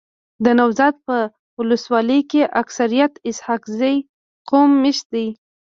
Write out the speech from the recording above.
دنوزاد په ولسوالۍ کي اکثريت اسحق زی قوم میشت دی.